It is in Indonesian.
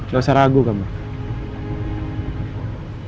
gak usah ragu kak mak